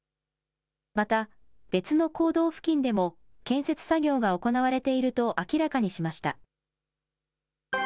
また別の坑道付近でも建設作業が行われていると明らかにしました。